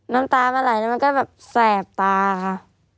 น้ำตามันไหลแล้วมันก็แบบแสบตาค่ะ